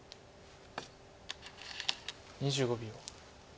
２５秒。